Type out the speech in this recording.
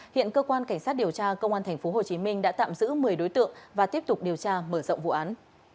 hiện cơ quan cảnh sát điều tra công an tp hcm đã tạm giữ một mươi đối tượng và tiếp tục điều tra mở rộng vụ án